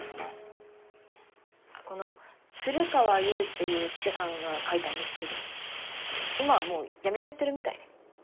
この鶴川ゆうっていう記者さんが書いたんですけど今はもうやめちゃってるみたいで。